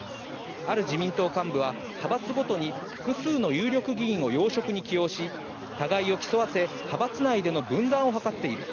ある自民党幹部は派閥ごとに複数の有力議員を要職に起用し、互いを競わせ、派閥内での分断を図っている。